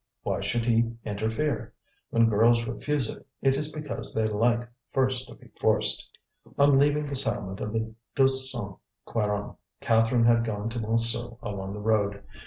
Why should he interfere? When girls refuse it is because they like first to be forced. On leaving the settlement of the Deux Cent Quarante Catherine had gone to Montsou along the road.